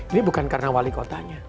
ini bukan karena wali kotanya